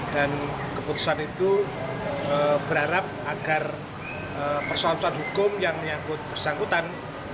dan keputusan itu berharap agar perselamatan hukum yang bersangkutan